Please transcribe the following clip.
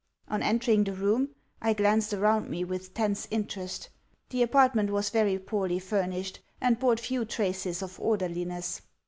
On entering the room I glanced around me with tense interest. The apartment was very poorly furnished, and bore few traces of orderliness.